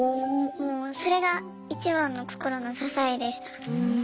もうそれが一番の心の支えでした。